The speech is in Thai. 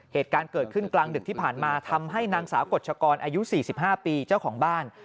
เหตุการณ์เกิดขึ้นกลางดึกที่ผ่านมาทำให้นางสาวกฎชกรอายุ๔๕ปีเจ้าของบ้าน